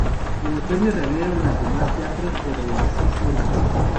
En otoño reabrieron los demás teatros, pero el Cisne no.